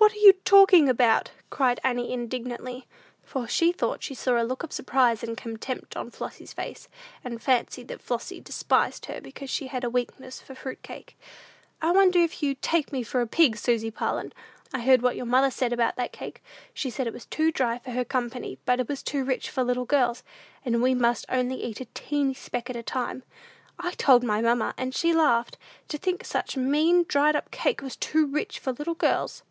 "What are you talking about?" cried Annie, indignantly; for she thought she saw a look of surprise and contempt on Flossy's face, and fancied that Flossy despised her because she had a weakness for fruit cake. "I wonder if you take me for a pig, Susy Parlin! I heard what your mother said about that cake! She said it was too dry for her company, but it was too rich for little girls, and we must only eat a teeny speck at a time. I told my mamma, and she laughed, to think such mean dried up cake was too rich for little girls!"